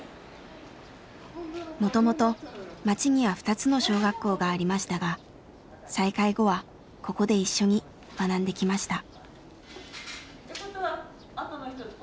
もともと町には２つの小学校がありましたが再開後はここで一緒に学んできました。